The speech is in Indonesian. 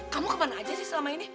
kamu kemana aja sih selama ini